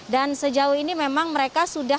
dan sejauh ini memang mereka sudah